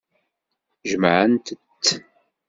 Jemɛent-tt.